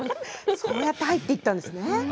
そうやって入っていたんですね。